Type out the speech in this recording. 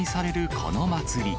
この祭り。